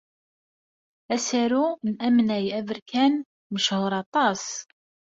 Asaru n Amnay Aberkan mechuṛ aṭas.